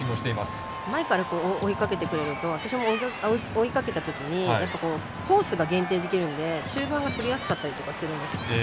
前から追いかけてくれると私も追いかけたときにコースが限定できるんで中盤がとりやすかったりするんです。